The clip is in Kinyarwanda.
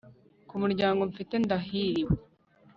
ku muryango mfite, ndahiriwe